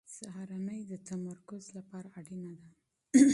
سهارنۍ د تمرکز لپاره اړینه ده.